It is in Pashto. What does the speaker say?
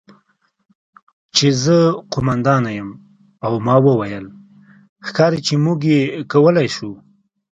چې زه قوماندانه یم او ما وویل: 'ښکاري چې موږ یې کولی شو'.